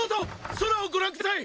空をご覧ください！